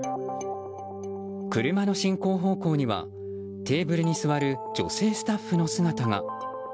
車の進行方向にはテーブルに座る女性スタッフの姿が。